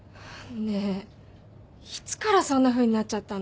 ねえいつからそんなふうになっちゃったの？